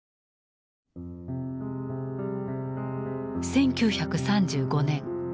１９３５年。